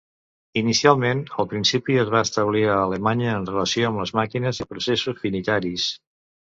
Inicialment, el principi es va establir a Alemanya en relació amb les màquines i els processos finitaris.